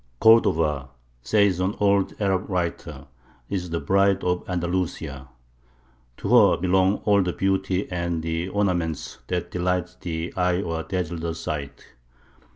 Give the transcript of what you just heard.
"Cordova," says an old Arab writer, "is the Bride of Andalusia. To her belong all the beauty and the ornaments that delight the eye or dazzle the sight.